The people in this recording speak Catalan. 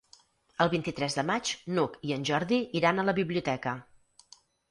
El vint-i-tres de maig n'Hug i en Jordi iran a la biblioteca.